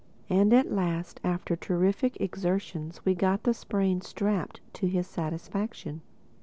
And at last, after terrific exertions, we got the sprain strapped to his satisfaction.